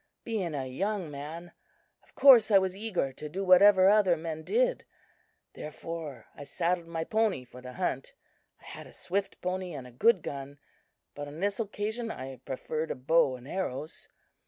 Being a young man, of course I was eager to do whatever other men did. Therefore I saddled my pony for the hunt. I had a swift pony and a good gun, but on this occasion I preferred a bow and arrows.